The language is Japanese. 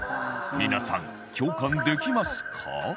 皆さん共感できますか？